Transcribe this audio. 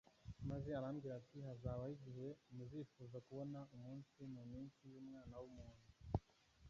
maze arababwira ati: "Hazabaho igihe muzifuza kubona umunsi mu minsi y'Umwana w'umuntu,